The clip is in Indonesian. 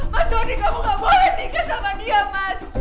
mas dodi kamu gak boleh nikah sama dia mas